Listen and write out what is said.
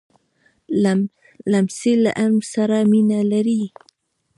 لمسی له علم سره مینه لري.